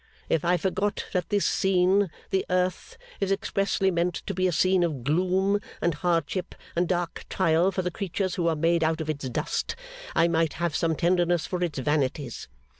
If I forgot that this scene, the Earth, is expressly meant to be a scene of gloom, and hardship, and dark trial, for the creatures who are made out of its dust, I might have some tenderness for its vanities.